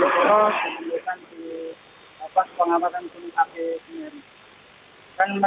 saat ini dikumpulkan di sd setempat